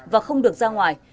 và không được ra ngoài